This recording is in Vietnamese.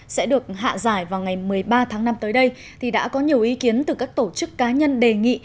sẽ được hạ giải vào ngày một mươi ba tháng năm tới đây thì đã có nhiều ý kiến từ các tổ chức cá nhân đề nghị